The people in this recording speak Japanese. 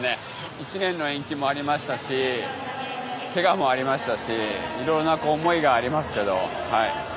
１年の延期もありましたしけがもありましたしいろんな思いがありますけど。